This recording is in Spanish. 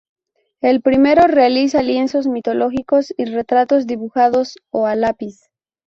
El primero realiza lienzos mitológicos y retratos dibujados o a lápiz.